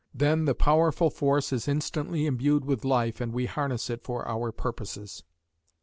Then the powerful force is instantly imbued with life and we harness it for our purposes.